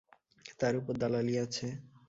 তার উপর দালালি আছে।